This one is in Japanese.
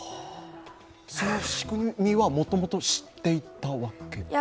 その仕組みはもともと知っていたわけで？